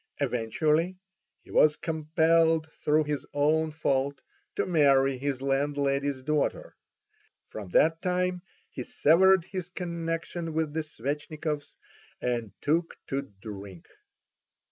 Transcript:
Eventually he was compelled through his own fault to marry his landlady's daughter. From that time he severed his connection with the Svetchnikovs, and took to drink.